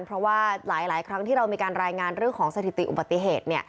เพราะว่าหลายครั้งที่เรามีการรายงานเรื่องของสถิติอุบัติเหตุ